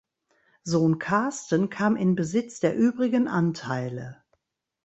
Sohn Carsten kam in Besitz der übrigen Anteile.